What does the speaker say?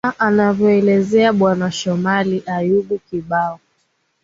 a anavyoelezea bwana shomali ayub kibao